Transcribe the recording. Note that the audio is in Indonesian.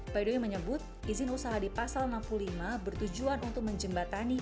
baidoy menyebut izin usaha di pasal enam puluh lima bertujuan untuk menjembatani